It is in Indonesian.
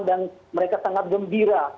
dan mereka sangat gembira